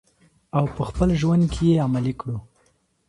او په خپل ژوند کې یې عملي کړو.